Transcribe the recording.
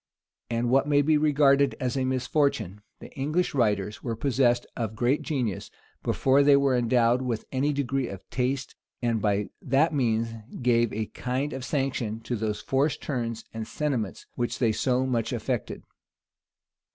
And, what may be regarded as a misfortune, the English writers were possessed of great genius before they were endowed with any degree of taste, and by that means gave a kind of sanction to those forced turns and sentiments which they so much affected.